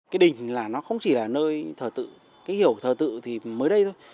cái đình là nó không chỉ là nơi thờ tự cái hiểu thờ tự thì mới đây thôi